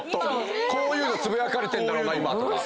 こういうのつぶやかれてんだろうな今とか。